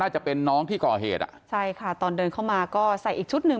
จะเป็นน้องที่ก่อเหตุอ่ะใช่ค่ะตอนเดินเข้ามาก็ใส่อีกชุดหนึ่ง